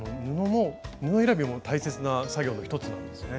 布選びも大切な作業の一つなんですね。